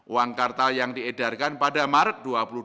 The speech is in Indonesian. uang kartal yang diedarkan pada maret dua ribu dua puluh